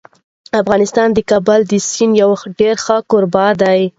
افغانستان د کابل د سیند یو ډېر ښه کوربه دی.